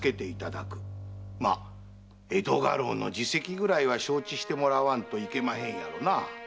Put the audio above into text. ま江戸家老の次席ぐらいは承知してもらわんといけまへん。